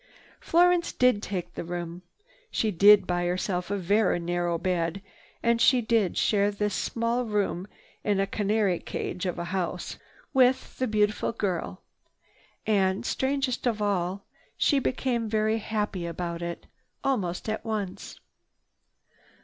Florence did take the room. She did buy herself a very narrow bed and she did share this small room in this canary cage of a house with the beautiful girl. And, strangest of all, she became very happy about it almost at once.